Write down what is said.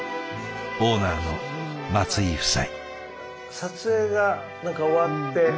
オーナーの松井夫妻。